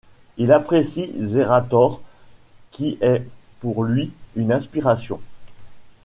Il apprécie ZeratoR qui est pour lui une inspiration.